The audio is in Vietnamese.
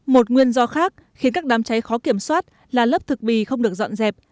một nguyên do khác khiến các đám cháy khó kiểm soát là lớp thực bì không được dọn dẹp